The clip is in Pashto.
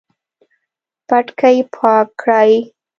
پټکی پاک کړئ